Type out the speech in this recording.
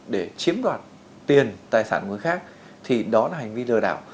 để chiếm đoạt tiền tài sản của người khác thì đó là hành vi lừa đảo